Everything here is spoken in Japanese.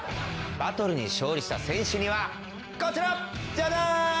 バトルに勝利した選手にはこちらジャジャーン！